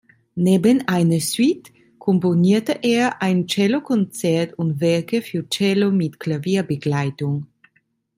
Neben einer Suite komponierte er ein Cellokonzert und Werke für Cello mit Klavierbegleitung.